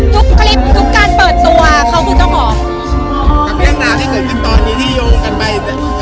ทุกคลิปทุกการเปิดตัวเขาคือต้องหอมที่เกิดตอนนี้ที่โยงกันไป